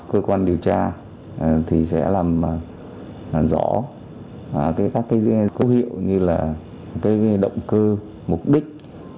cơ quan điều tra thì sẽ làm rõ các dữ liệu như là động cơ mục đích